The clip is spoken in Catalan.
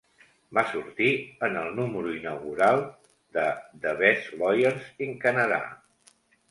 Va sortir en el número inaugural de "The Best Lawyers in Canada".